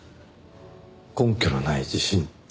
「根拠のない自信」って。